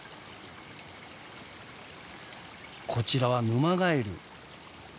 こちらはヌマガエル。